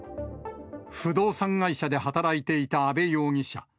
不動産会社で働いていた阿部容疑者。